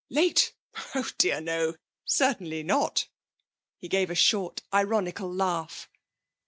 Late? Oh dear, no; certainly not!' He gave a short, ironical laugh.